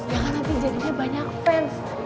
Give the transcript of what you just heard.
ya kan nanti jadinya banyak fans